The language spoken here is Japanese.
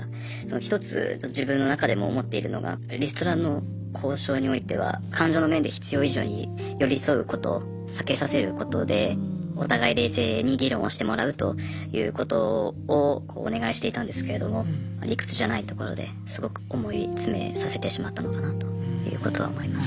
１つ自分の中でも思っているのがリストラの交渉においては感情の面で必要以上に寄り添うことを避けさせることでお互い冷静に議論をしてもらうということをお願いしていたんですけれども理屈じゃないところですごく思い詰めさせてしまったのかなということは思います。